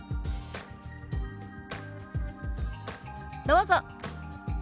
どうぞ。